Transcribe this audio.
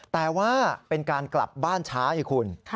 แต่ว่าเป็นการกลับบ้านช้าไอ้คุณ